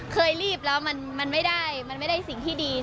เคยรีบแล้วมันไม่ได้มันไม่ได้สิ่งที่ดี